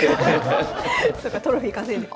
そっかトロフィー稼いでる。